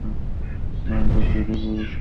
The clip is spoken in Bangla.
ডানের দরজা দিয়ে প্রবেশ করো।